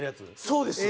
そうです。